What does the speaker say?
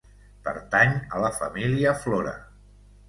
Pertany a la família Flora.